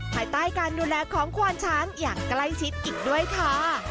ภายใต้การดูแลของควานช้างอย่างใกล้ชิดอีกด้วยค่ะ